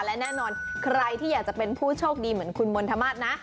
และแน่นอนใครที่อยากจะเป็นผู้โชคดีเหมือนคุณมณฑมาสนะ